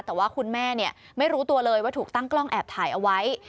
แต่ว่าคุณแม่ไม่รู้ตัวเลยว่าถูกตั้งกล้องแอบถ่ายเอาไว้